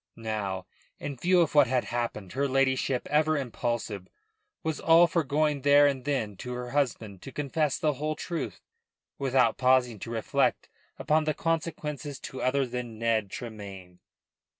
Now, in view of what had happened, her ladyship, ever impulsive, was all for going there and then to her husband to confess the whole truth, without pausing to reflect upon the consequences to others than Ned Tremayne.